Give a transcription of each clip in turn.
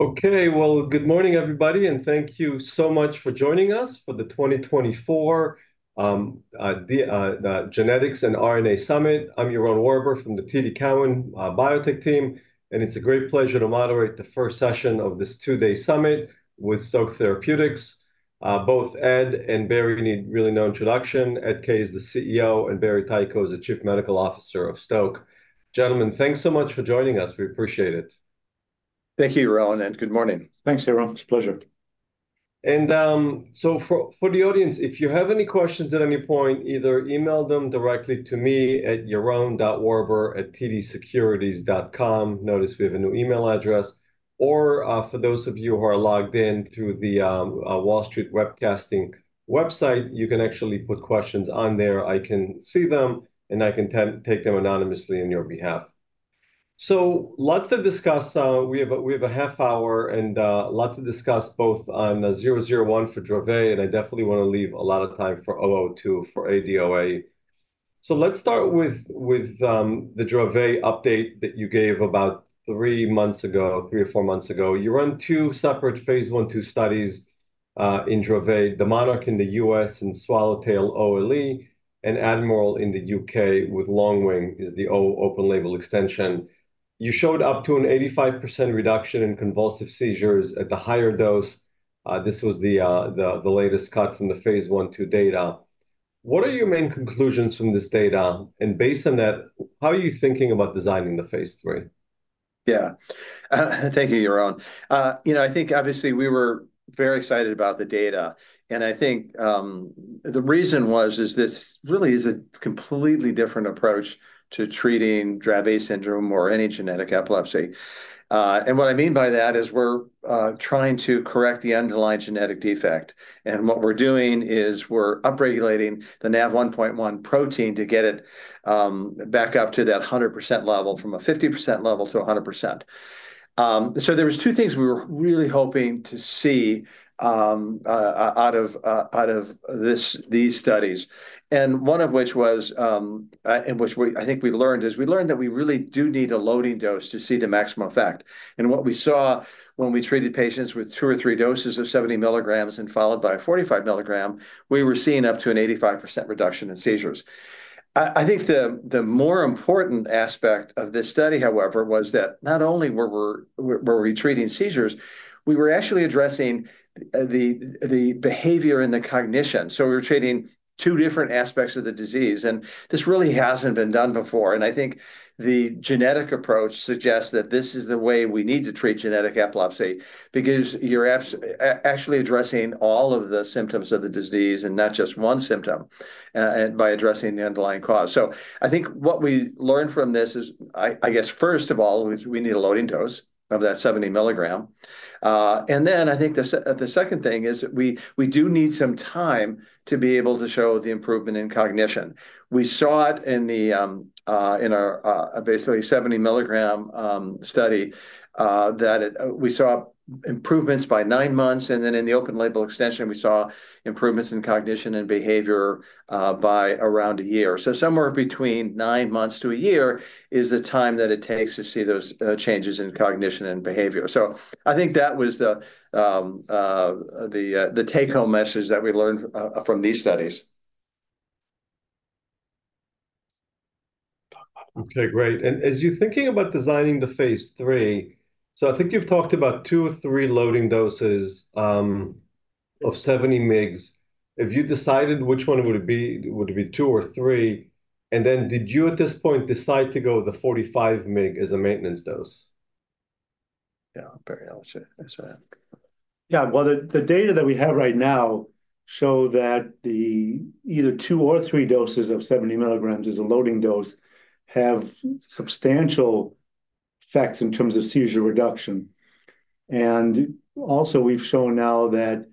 Okay, well, good morning, everybody, and thank you so much for joining us for the 2024 Genetics and RNA Summit. I'm Yaron Werber from the TD Cowen Biotech team, and it's a great pleasure to moderate the first session of this two-day summit with Stoke Therapeutics. Both Ed and Barry need really no introduction. Ed Kaye is the CEO, and Barry Ticho is the Chief Medical Officer of Stoke. Gentlemen, thanks so much for joining us. We appreciate it. Thank you, Yaron, and good morning. Thanks, Yaron. It's a pleasure. So for the audience, if you have any questions at any point, either email them directly to me at yaron.werber@tdsecurities.com. Notice we have a new email address, or for those of you who are logged in through the Wall Street Webcasting website, you can actually put questions on there. I can see them, and I can take them anonymously on your behalf. So lots to discuss, we have a half hour, and lots to discuss, both on 001 for Dravet, and I definitely wanna leave a lot of time for 002 for ADOA. So let's start with the Dravet update that you gave about three months ago, three or four months ago. You run two separate phase I/II studies in Dravet, the MONARCH in the U.S. and SWALLOWTAIL OLE, and ADMIRAL in the U.K. with LONGWING is the OLE, open-label extension. You showed up to an 85% reduction in convulsive seizures at the higher dose. This was the latest cut from the phase I/II data. What are your main conclusions from this data? And based on that, how are you thinking about designing the phase III? Yeah. Thank you, Yaron. You know, I think obviously we were very excited about the data, and I think the reason is this really is a completely different approach to treating Dravet syndrome or any genetic epilepsy. And what I mean by that is we're trying to correct the underlying genetic defect, and what we're doing is we're upregulating the NaV1.1 protein to get it back up to that 100% level, from a 50% level to a 100%. So there was two things we were really hoping to see out of these studies, and one of which was, and which we I think we learned, is we learned that we really do need a loading dose to see the maximum effect. What we saw when we treated patients with two or three doses of 70 mg and followed by a 45 mg, we were seeing up to an 85% reduction in seizures. I think the more important aspect of this study, however, was that not only were we treating seizures, we were actually addressing the behavior and the cognition. So we were treating two different aspects of the disease, and this really hasn't been done before. I think the genetic approach suggests that this is the way we need to treat genetic epilepsy because you're actually addressing all of the symptoms of the disease and not just one symptom, and by addressing the underlying cause. So I think what we learned from this is, I guess, first of all, we need a loading dose of that 70 mg. And then I think the second thing is that we do need some time to be able to show the improvement in cognition. We saw it in our basically 70-mg study, that it, we saw improvements by nine months, and then in the open-label extension, we saw improvements in cognition and behavior by around a year. So, somewhere between nine months to a year is the time that it takes to see those changes in cognition and behavior. So I think that was the take-home message that we learned from these studies. Okay, great. As you're thinking about designing the phase III, so I think you've talked about two or three loading doses of 70 mg. Have you decided which one it would be? Would it be two or three? And then did you, at this point, decide to go with the 45 mg as a maintenance dose? Yeah, Barry, I'll let you answer that. Yeah, well, the data that we have right now show that the either two or three doses of 70 mg as a loading dose have substantial effects in terms of seizure reduction. Also we've shown now that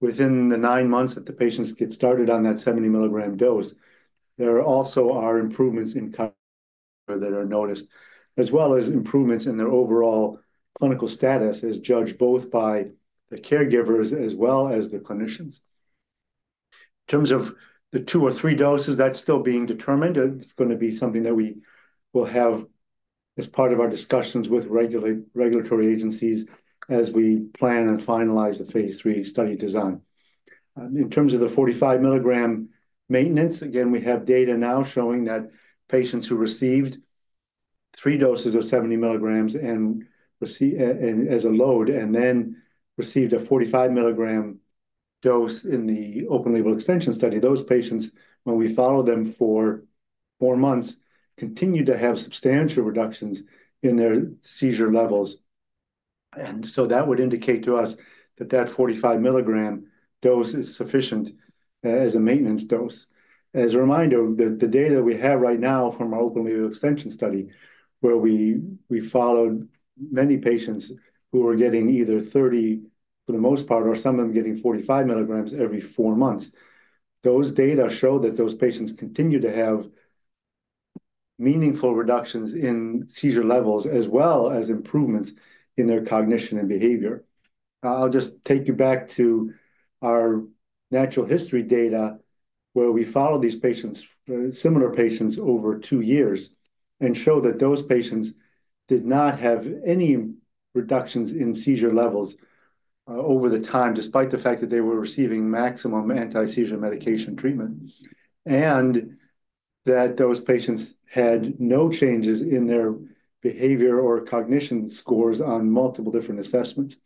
within the 9 months that the patients get started on that 70-mg dose, there also are improvements in... that are noticed, as well as improvements in their overall clinical status, as judged both by the caregivers as well as the clinicians. In terms of the two or three doses, that's still being determined, and it's gonna be something that we will have as part of our discussions with regulatory agencies as we plan and finalize the phase III study design. In terms of the 45 mg maintenance, again, we have data now showing that patients who received three doses of 70 mg as a load, and then received a 45 mg dose in the open-label extension study, those patients, when we followed them for four months, continued to have substantial reductions in their seizure levels. So that would indicate to us that that 45 mg dose is sufficient as a maintenance dose. As a reminder, the data we have right now from our open-label extension study, where we followed many patients who were getting either 30 mg, for the most part, or some of them getting 45 mg every four months, those data show that those patients continued to have meaningful reductions in seizure levels, as well as improvements in their cognition and behavior. I'll just take you back to our natural history data, where we follow these patients, similar patients over two years, and show that those patients did not have any reductions in seizure levels over the time, despite the fact that they were receiving maximum anti-seizure medication treatment. That those patients had no changes in their behavior or cognition scores on multiple different assessments.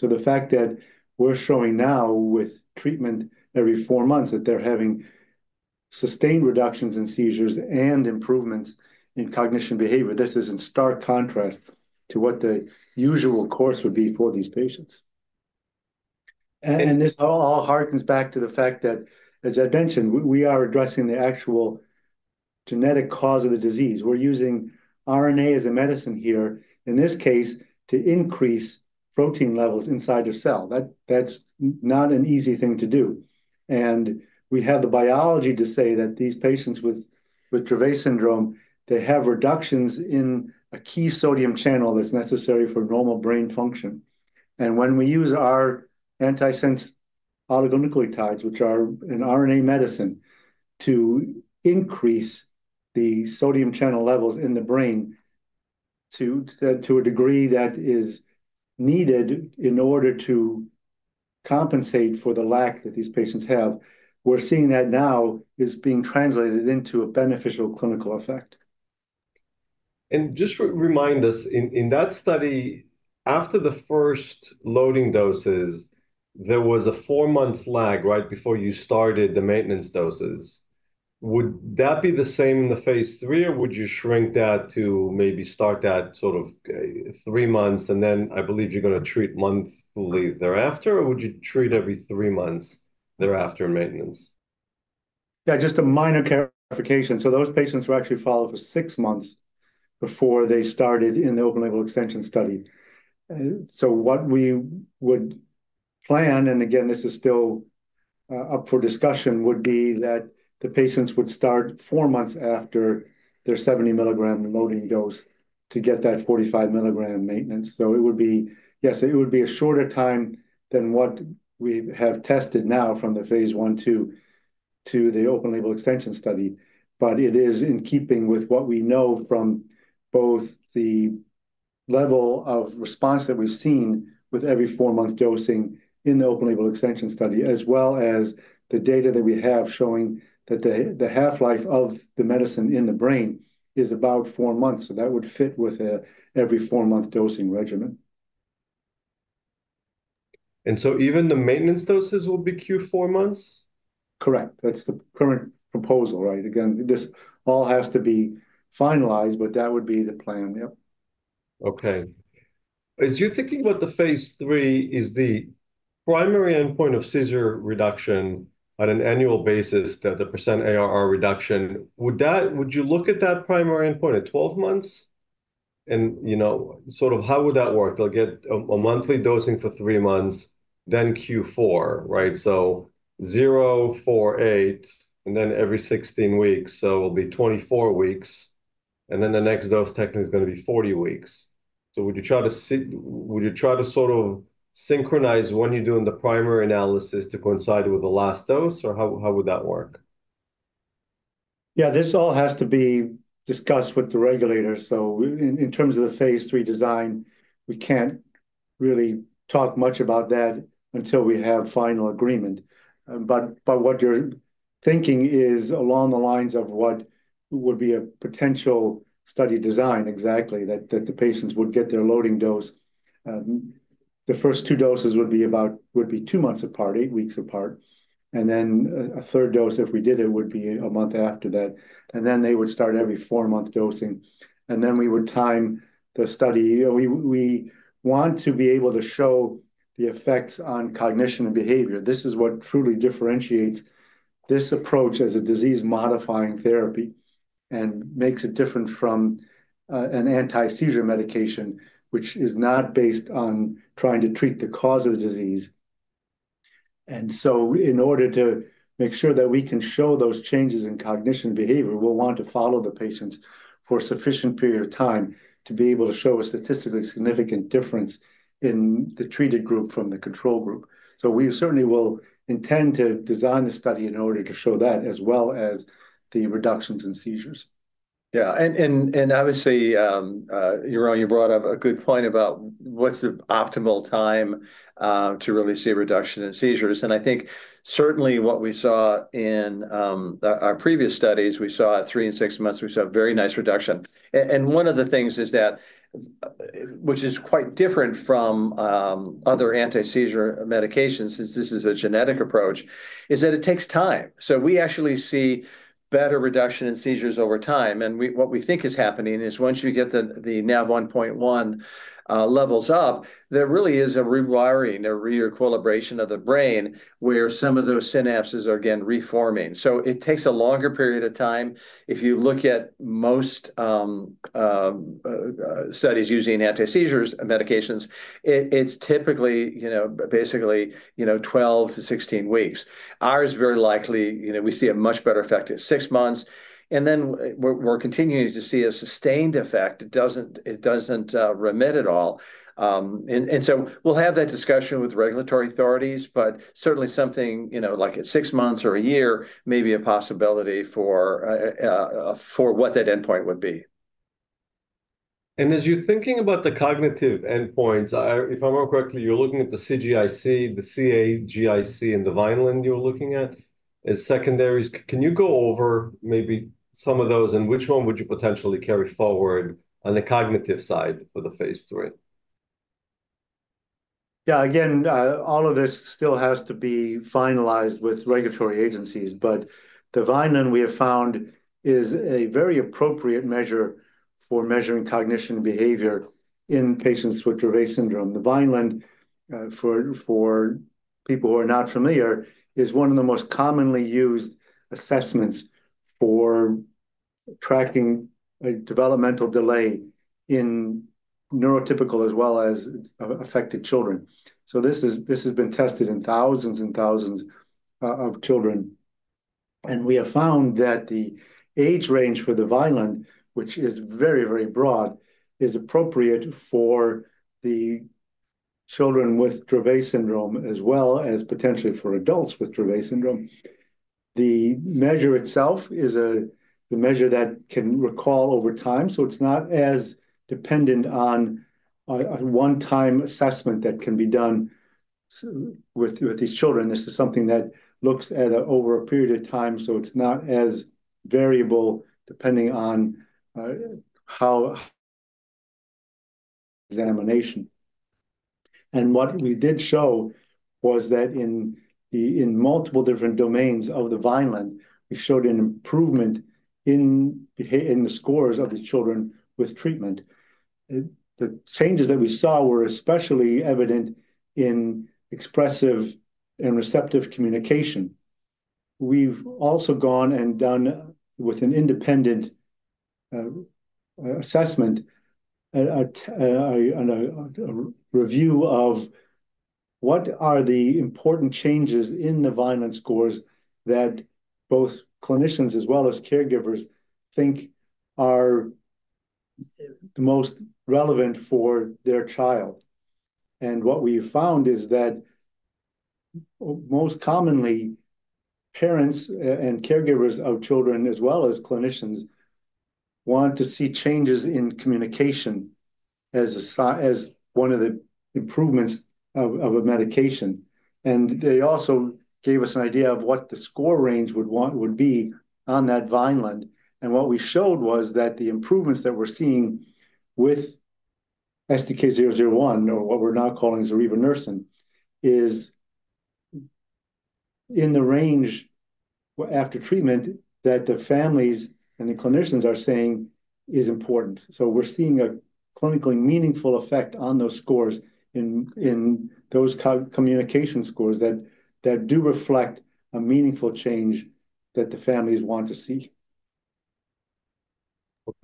The fact that we're showing now with treatment every four months, that they're having sustained reductions in seizures and improvements in cognition behavior, this is in stark contrast to what the usual course would be for these patients. This all harkens back to the fact that, as I mentioned, we are addressing the actual genetic cause of the disease. We're using RNA as a medicine here, in this case, to increase protein levels inside the cell. That, that's not an easy thing to do. We have the biology to say that these patients with Dravet syndrome, they have reductions in a key sodium channel that's necessary for normal brain function. When we use our antisense oligonucleotides, which are an RNA medicine, to increase the sodium channel levels in the brain to a degree that is needed in order to compensate for the lack that these patients have, we're seeing that now is being translated into a beneficial clinical effect. Just remind us, in that study, after the first loading doses, there was a four-month lag right before you started the maintenance doses. Would that be the same in the phase III, or would you shrink that to maybe start that sort of 3 months, and then I believe you're gonna treat monthly thereafter? Or would you treat every 3 months thereafter maintenance? Yeah, just a minor clarification. So those patients were actually followed for 6 months before they started in the open-label extension study. And so what we would plan, and again, this is still up for discussion, would be that the patients would start 4 months after their 70 mg loading dose to get that 45 mg maintenance. So it would be... Yes, it would be a shorter time than what we have tested now from the phase I/II to the open-label extension study. But it is in keeping with what we know from both the level of response that we've seen with every 4-month dosing in the open-label extension study, as well as the data that we have showing that the half-life of the medicine in the brain is about 4 months, so that would fit with every 4-month dosing regimen. Even the maintenance doses will be Q4 months? Correct. That's the current proposal, right? Again, this all has to be finalized, but that would be the plan. Yep. Okay. As you're thinking about the phase III, is the primary endpoint of seizure reduction on an annual basis, the percent ARR reduction, would you look at that primary endpoint at 12 months? And, you know, sort of how would that work? They'll get a monthly dosing for 3 months, then Q4, right? So 0, 4, 8, and then every 16 weeks, so it'll be 24 weeks, and then the next dose at is gonna be 40 weeks. So would you try to sort of synchronize when you're doing the primary analysis to coincide with the last dose, or how would that work? Yeah, this all has to be discussed with the regulators. So, in terms of the phase III design, we can't really talk much about that until we have final agreement. But what you're thinking is along the lines of what would be a potential study design, exactly, that the patients would get their loading dose. The first two doses would be two months apart, eight weeks apart, and then a third dose, if we did it, would be a month after that. And then they would start every four-month dosing, and then we would time the study. You know, we want to be able to show the effects on cognition and behavior. This is what truly differentiates this approach as a disease-modifying therapy and makes it different from an anti-seizure medication, which is not based on trying to treat the cause of the disease. And so in order to make sure that we can show those changes in cognition and behavior, we'll want to follow the patients for a sufficient period of time to be able to show a statistically significant difference in the treated group from the control group. So we certainly will intend to design the study in order to show that, as well as the reductions in seizures. Yeah. And obviously, Yaron, you brought up a good point about what's the optimal time to really see a reduction in seizures. And I think certainly what we saw in our previous studies, we saw at 3 and 6 months, we saw a very nice reduction. One of the things is that, which is quite different from other anti-seizure medications, since this is a genetic approach, is that it takes time. So we actually see better reduction in seizures over time, and what we think is happening is once you get the NaV1.1 levels up, there really is a rewiring, a re-equilibration of the brain, where some of those synapses are again reforming. So it takes a longer period of time. If you look at most studies using anti-seizure medications, it's typically, you know, basically, you know, 12-16 weeks. Ours very likely, you know, we see a much better effect at 6 months, and then we're continuing to see a sustained effect. It doesn't, it doesn't remit at all. And so we'll have that discussion with regulatory authorities, but certainly something, you know, like at 6 months or a year, may be a possibility for what that endpoint would be. As you're thinking about the cognitive endpoints, I, if I remember correctly, you're looking at the CGIC, the CaGIC, and the Vineland you're looking at as secondaries. Can you go over maybe some of those, and which one would you potentially carry forward on the cognitive side for the phase III? Yeah, again, all of this still has to be finalized with regulatory agencies, but the Vineland, we have found, is a very appropriate measure for measuring cognition behavior in patients with Dravet syndrome. The Vineland, for people who are not familiar, is one of the most commonly used assessments for tracking a developmental delay in neurotypical as well as affected children. So this has been tested in thousands and thousands of children, and we have found that the age range for the Vineland, which is very, very broad, is appropriate for the children with Dravet syndrome, as well as potentially for adults with Dravet syndrome. The measure itself is a measure that can recall over time, so it's not as dependent on a one-time assessment that can be done with these children. This is something that looks at over a period of time, so it's not as variable depending on how examination. What we did show was that in multiple different domains of the Vineland, we showed an improvement in the scores of the children with treatment. The changes that we saw were especially evident in expressive and receptive communication. We've also gone and done with an independent assessment and a review of what are the important changes in the Vineland scores that both clinicians as well as caregivers think are the most relevant for their child. What we found is that most commonly parents and caregivers of children, as well as clinicians, want to see changes in communication as one of the improvements of a medication. And they also gave us an idea of what the score range would be on that Vineland. And what we showed was that the improvements that we're seeing with STK-001, or what we're now calling zorevunersen, is in the range after treatment that the families and the clinicians are saying is important. So we're seeing a clinically meaningful effect on those scores in those communication scores that do reflect a meaningful change that the families want to see.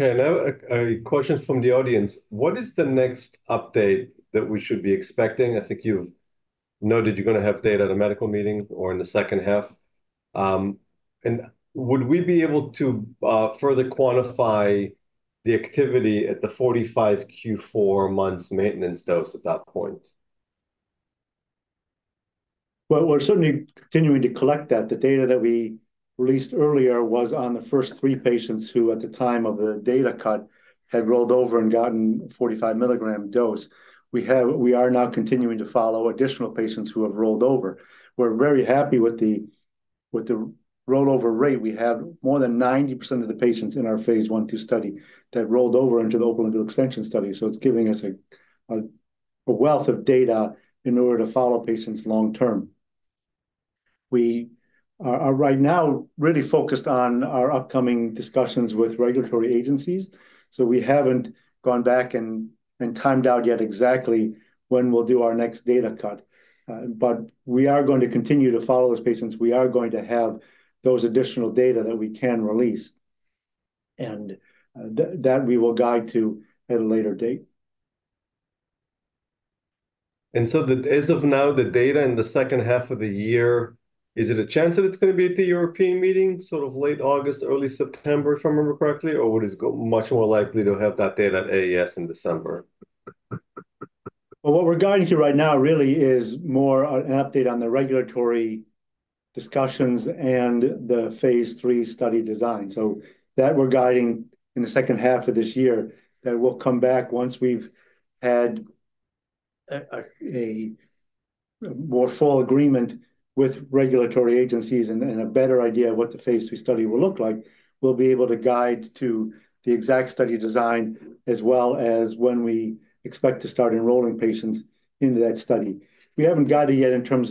Okay, now a question from the audience: What is the next update that we should be expecting? I think you've noted you're gonna have data at a medical meeting or in the second half. And would we be able to further quantify the activity at the 45 mg Q4 months maintenance dose at that point? Well, we're certainly continuing to collect that. The data that we released earlier was on the first three patients, who, at the time of the data cut, had rolled over and gotten 45 mg dose. We are now continuing to follow additional patients who have rolled over. We're very happy with the rollover rate. We have more than 90% of the patients in our phase I/II study that rolled over into the open-label extension study. So it's giving us a wealth of data in order to follow patients long-term. We are right now really focused on our upcoming discussions with regulatory agencies, so we haven't gone back and timed out yet exactly when we'll do our next data cut. But we are going to continue to follow those patients. We are going to have those additional data that we can release, and that we will guide to at a later date. And so, as of now, the data in the second half of the year, is it a chance that it's gonna be at the European meeting, sort of late August, early September, if I remember correctly, or is it much more likely to have that data at AES in December? Well, what we're guiding to right now really is more an update on the regulatory discussions and the Phase III study design. So that we're guiding in the second half of this year, that we'll come back once we've had a more full agreement with regulatory agencies and a better idea of what the Phase III study will look like. We'll be able to guide to the exact study design, as well as when we expect to start enrolling patients into that study. We haven't guided yet in terms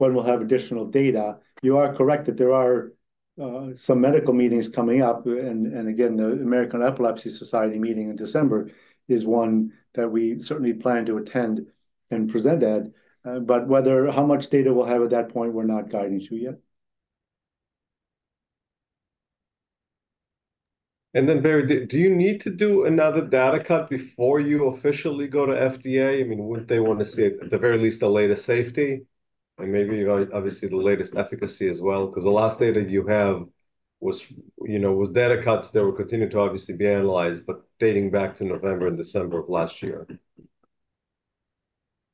of when we'll have additional data. You are correct that there are some medical meetings coming up, and again, the American Epilepsy Society meeting in December is one that we certainly plan to attend and present at. But whether how much data we'll have at that point, we're not guiding to yet. And then, Barry, do you need to do another data cut before you officially go to FDA? I mean, wouldn't they want to see at the very least, the latest safety, and maybe, obviously, the latest efficacy as well? 'Cause the last data you have was, you know, was data cuts that will continue to obviously be analyzed, but dating back to November and December of last year.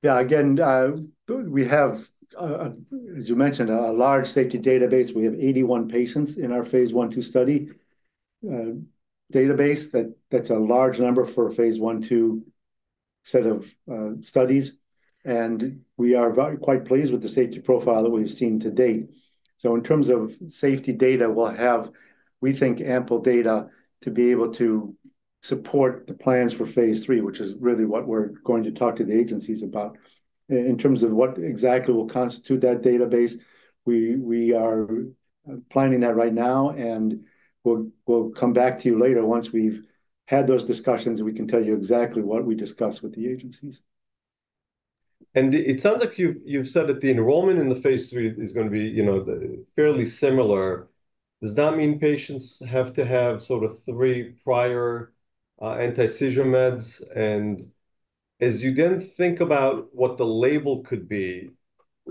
Yeah, again, as you mentioned, a large safety database. We have 81 patients in our phase I/II study database. That's a large number for a phase I/II set of studies, and we are very quite pleased with the safety profile that we've seen to date. So in terms of safety data, we'll have, we think, ample data to be able to support the plans for phase III, which is really what we're going to talk to the agencies about. In terms of what exactly will constitute that database, we are planning that right now, and we'll come back to you later. Once we've had those discussions, we can tell you exactly what we discussed with the agencies. It sounds like you've said that the enrollment in the phase III is gonna be, you know, fairly similar. Does that mean patients have to have sort of three prior anti-seizure meds? And as you then think about what the label could be,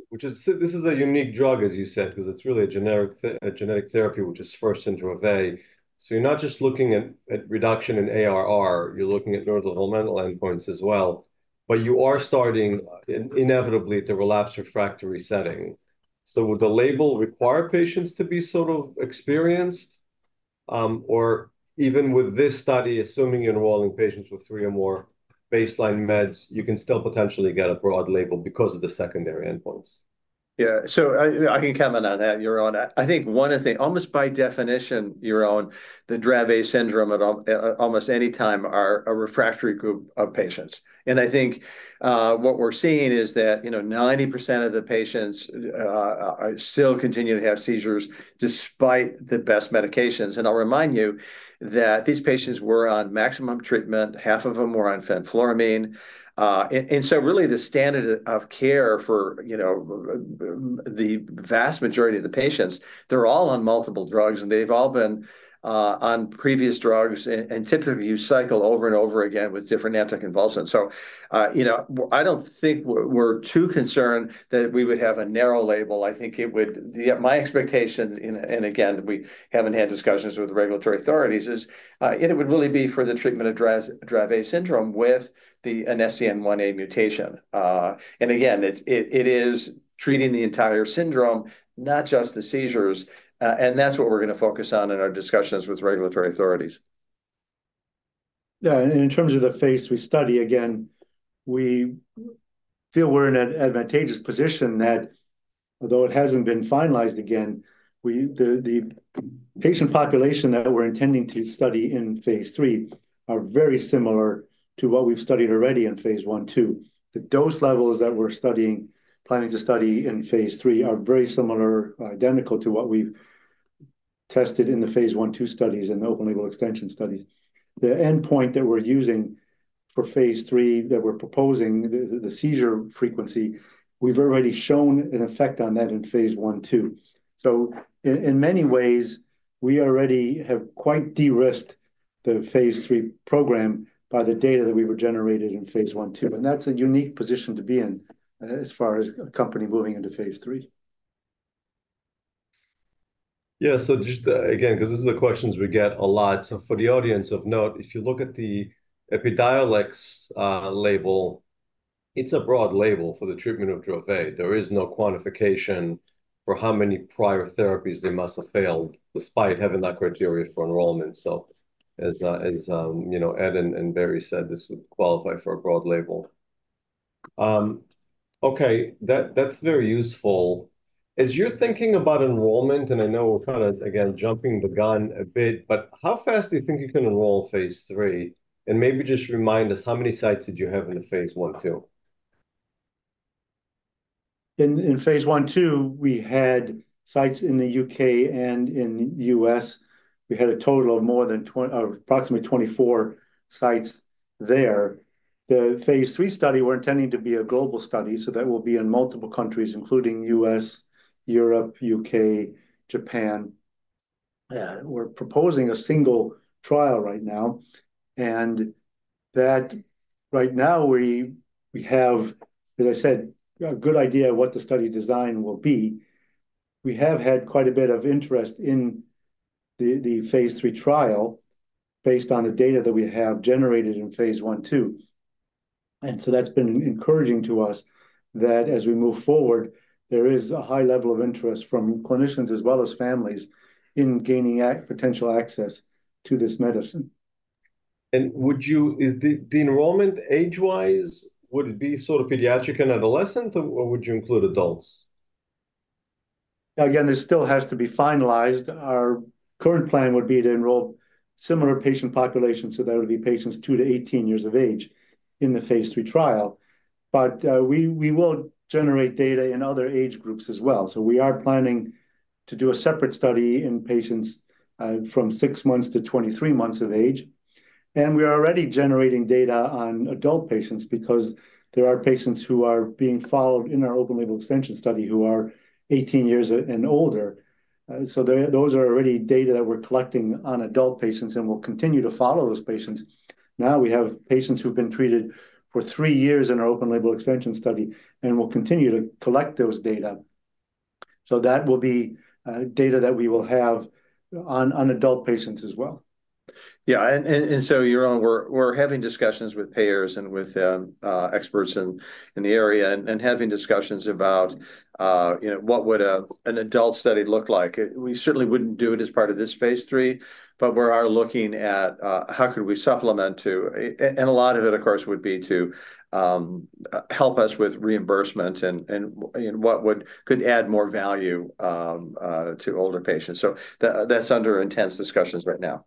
which is this is a unique drug, as you said, 'cause it's really a genetic therapy, which is for Dravet syndrome. So you're not just looking at reduction in ARR, you're looking at neurodevelopmental endpoints as well, but you are starting inevitably at the relapsed refractory setting. So would the label require patients to be sort of experienced, or even with this study, assuming you're enrolling patients with three or more baseline meds, you can still potentially get a broad label because of the secondary endpoints? Yeah. So I can comment on that, Yaron. I think one of the thing, almost by definition, Yaron, the Dravet syndrome patients almost any time are a refractory group of patients. And I think what we're seeing is that, you know, 90% of the patients are still continue to have seizures despite the best medications. And I'll remind you that these patients were on maximum treatment. Half of them were on fenfluramine. And so really the standard of care for, you know, the vast majority of the patients, they're all on multiple drugs, and they've all been on previous drugs. And typically, you cycle over and over again with different anticonvulsants. So, you know, I don't think we're too concerned that we would have a narrow label. I think it would... Yeah, my expectation, and again, we haven't had discussions with the regulatory authorities, is it would really be for the treatment of Dravet syndrome with an SCN1A mutation. And again, it is treating the entire syndrome, not just the seizures. And that's what we're gonna focus on in our discussions with regulatory authorities. Yeah, and in terms of the phase we study, again, we feel we're in an advantageous position that although it hasn't been finalized again, the patient population that we're intending to study in phase III are very similar to what we've studied already in phase I/II. The dose levels that we're planning to study in phase III are very similar, identical to what we've tested in the phase I/II studies and open-label extension studies. The endpoint that we're using for phase III, that we're proposing, the seizure frequency, we've already shown an effect on that in phase I/II. So in many ways, we already have quite de-risked the phase III program by the data that we were generated in phase I/II, and that's a unique position to be in, as far as a company moving into phase III. Yeah, so just, again, 'cause these are the questions we get a lot. So for the audience, note, if you look at the Epidiolex label, it's a broad label for the treatment of Dravet. There is no quantification for how many prior therapies they must have failed, despite having that criteria for enrollment. So as you know, Ed and Barry said, this would qualify for a broad label. Okay, that, that's very useful. As you're thinking about enrollment, and I know we're kind of, again, jumping the gun a bit, but how fast do you think you can enroll phase III? And maybe just remind us, how many sites did you have in the phase I/II? In phase I/II, we had sites in the U.K. and in the U.S. We had a total of more than approximately 24 sites there. The phase III study, we're intending to be a global study, so that will be in multiple countries, including U.S., Europe, U.K., Japan. We're proposing a single trial right now, and that right now, we, we have, as I said, a good idea of what the study design will be. We have had quite a bit of interest in the phase III trial based on the data that we have generated in phase I/II. And so that's been encouraging to us that as we move forward, there is a high level of interest from clinicians as well as families in gaining a potential access to this medicine. Would you- is the, the enrollment, age-wise, would it be sort of pediatric and adolescent, or would you include adults? Now, again, this still has to be finalized. Our current plan would be to enroll similar patient populations, so that would be patients 2-18 years of age in the phase III trial. But we will generate data in other age groups as well. So we are planning to do a separate study in patients from 6 months-23 months of age. And we are already generating data on adult patients because there are patients who are being followed in our open-label extension study, who are 18 years and older. So those are already data that we're collecting on adult patients, and we'll continue to follow those patients. Now, we have patients who've been treated for 3 years in our open-label extension study, and we'll continue to collect those data.... That will be data that we will have on adult patients as well. Yeah, and so Yaron, we're having discussions with payers and with experts in the area, and having discussions about, you know, what would an adult study look like? We certainly wouldn't do it as part of this phase III, but we are looking at how could we supplement and a lot of it, of course, would be to help us with reimbursement and what could add more value to older patients. So that's under intense discussions right now.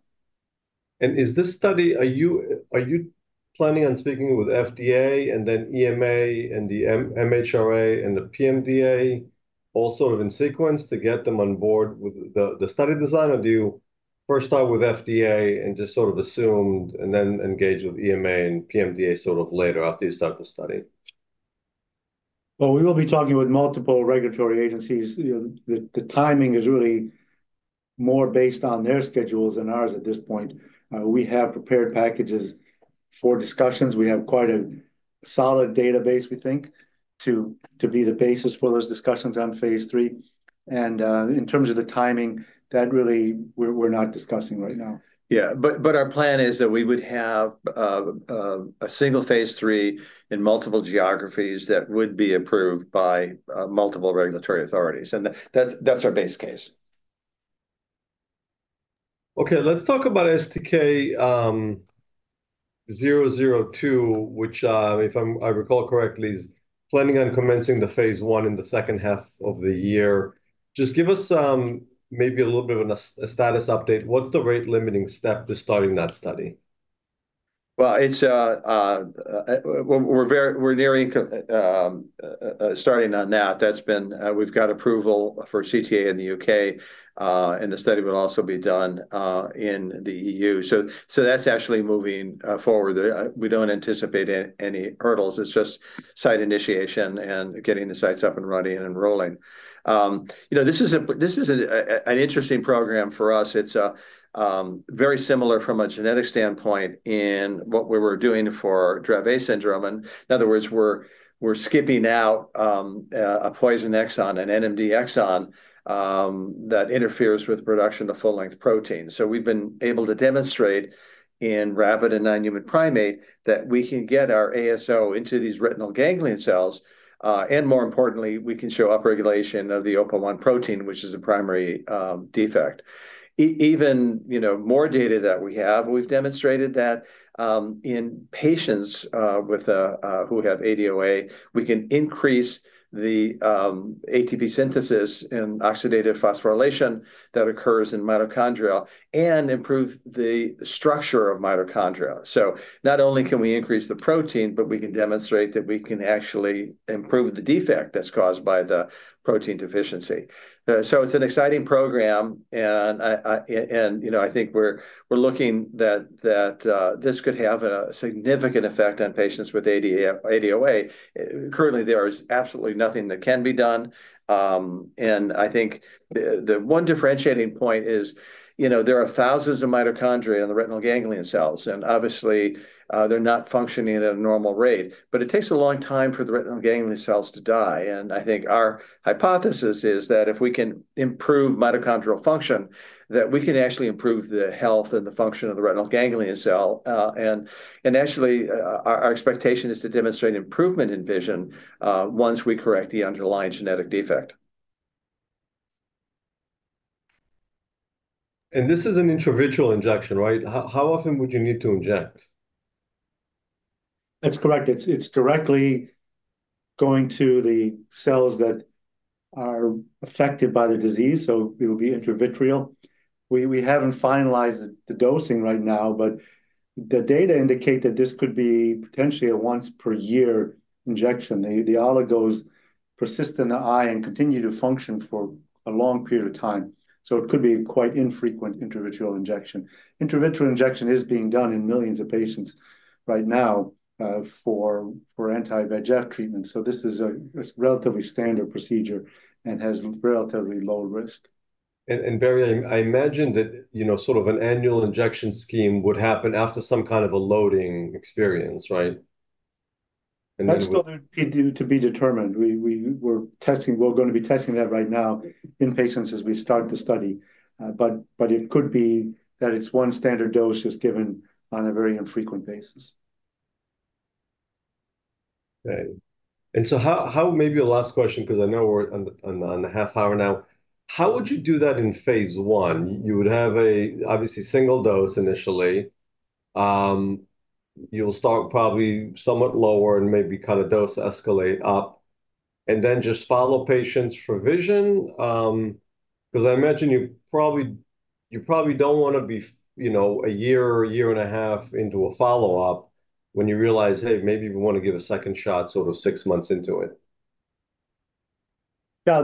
Is this study, are you planning on speaking with FDA, and then EMA, and the MHRA, and the PMDA, all sort of in sequence to get them on board with the study design? Or do you first start with FDA and just sort of assume, and then engage with EMA and PMDA sort of later after you start the study? Well, we will be talking with multiple regulatory agencies. You know, the timing is really more based on their schedules than ours at this point. We have prepared packages for discussions. We have quite a solid database, we think, to be the basis for those discussions on phase III, and in terms of the timing, that really we're not discussing right now. Yeah, but our plan is that we would have a single phase III in multiple geographies that would be approved by multiple regulatory authorities, and that's our base case. Okay, let's talk about STK-002, which, if I recall correctly, is planning on commencing the phase I in the second half of the year. Just give us maybe a little bit of a status update. What's the rate-limiting step to starting that study? Well, it's, we're very, we're nearing starting on that. We've got approval for CTA in the U.K., and the study will also be done in the EU. So, that's actually moving forward. We don't anticipate any hurdles. It's just site initiation and getting the sites up and running and enrolling. You know, this is a, this is an interesting program for us. It's very similar from a genetic standpoint in what we were doing for Duchenne syndrome, and in other words, we're skipping out a poison exon, an NMD exon, that interferes with production of full-length protein. So we've been able to demonstrate in rabbit and non-human primate, that we can get our ASO into these retinal ganglion cells, and more importantly, we can show upregulation of the OPA1 protein, which is a primary defect. Even, you know, more data that we have, we've demonstrated that in patients with who have ADOA, we can increase the ATP synthesis in oxidative phosphorylation that occurs in mitochondria and improve the structure of mitochondria. So not only can we increase the protein, but we can demonstrate that we can actually improve the defect that's caused by the protein deficiency. So it's an exciting program, and I and, you know, I think we're looking that this could have a significant effect on patients with ADOA. Currently, there is absolutely nothing that can be done, and I think the one differentiating point is, you know, there are thousands of mitochondria in the retinal ganglion cells, and obviously, they're not functioning at a normal rate, but it takes a long time for the retinal ganglion cells to die. And I think our hypothesis is that if we can improve mitochondrial function, that we can actually improve the health and the function of the retinal ganglion cell. And actually, our expectation is to demonstrate improvement in vision, once we correct the underlying genetic defect. This is an intravitreal injection, right? How, how often would you need to inject? That's correct. It's, it's directly going to the cells that are affected by the disease, so it'll be intravitreal. We, we haven't finalized the dosing right now, but the data indicate that this could be potentially a once-per-year injection. The, the oligos persist in the eye and continue to function for a long period of time, so it could be a quite infrequent intravitreal injection. Intravitreal injection is being done in millions of patients right now for anti-VEGF treatment, so this is a relatively standard procedure and has relatively low risk. And Barry, I imagine that, you know, sort of an annual injection scheme would happen after some kind of a loading experience, right? And then- That's still to be determined. We're gonna be testing that right now in patients as we start the study. But it could be that it's one standard dose just given on a very infrequent basis. Okay, so how... Maybe a last question, 'cause I know we're on the half hour now. How would you do that in phase I? You would have a obviously single dose initially. You'll start probably somewhat lower and maybe kind of dose escalate up, and then just follow patients for vision? 'Cause I imagine you probably don't wanna be stuck in you know, a year or a year and a half into a follow-up when you realize, hey, maybe we wanna give a second shot sort of six months into it. Yeah,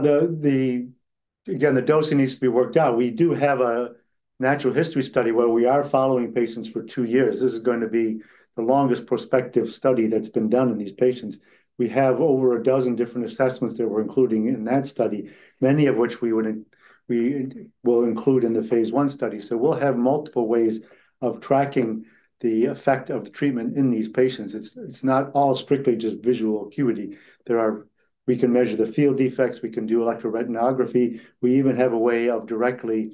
again, the dosing needs to be worked out. We do have a natural history study where we are following patients for two years. This is going to be the longest prospective study that's been done on these patients. We have over a dozen different assessments that we're including in that study, many of which we would, we will include in the phase I study. So we'll have multiple ways of tracking the effect of the treatment in these patients. It's not all strictly just visual acuity. There are - we can measure the field defects, we can do electroretinography, we even have a way of directly,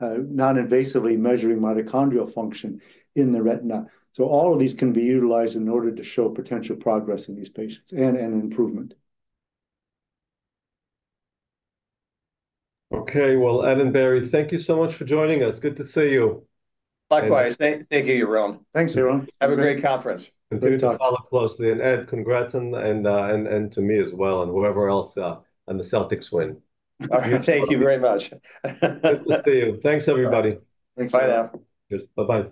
non-invasively measuring mitochondrial function in the retina. So all of these can be utilized in order to show potential progress in these patients, and improvement. Okay, well, Ed and Barry, thank you so much for joining us. Good to see you. Likewise. Thank you, Yaron. Thanks, Yaron. Have a great conference. We will follow closely. Ed, congrats, and to me as well, and whoever else, on the Celtics win. Thank you very much. Good to see you. Thanks, everybody. Thanks. Bye now. Cheers. Bye-bye.